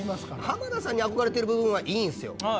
浜田さんに憧れてる部分はいいんすよ。